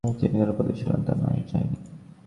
তিনি কোন পদে ছিলেন তা জানা যায়নি।